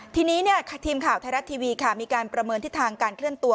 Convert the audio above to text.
ทีนี้ทีมข่าวไทยรัฐทีวีค่ะมีการประเมินทิศทางการเคลื่อนตัว